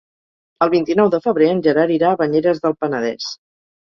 El vint-i-nou de febrer en Gerard irà a Banyeres del Penedès.